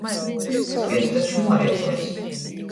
Spirta čmūrietuojs.